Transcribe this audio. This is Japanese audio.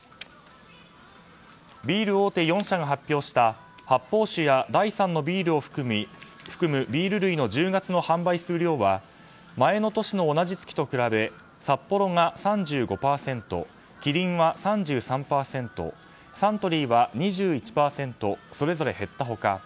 ビール大手４社が発表した発泡酒や第３のビールを含むビール類の１０月の販売数量は前の年の同じ月と比べサッポロが３５％キリンは３３％サントリーは２１％それぞれ減った他